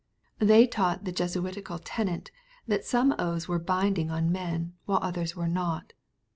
They taught the Jesuitical tenet, that some oaths were binding on"men7 while others were not.